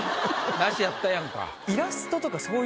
ナシやったやんか。